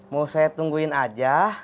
mau saya tungguin aja